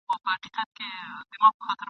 موږ په ازل کاږه پیدا یو نو بیا نه سمیږو ..